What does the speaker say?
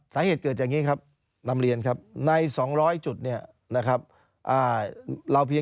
สาเหตุเกิดจากนี้ครับนำเรียนครับใน๒๐๐จุดเนี่ยนะครับ